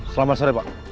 selamat sore pak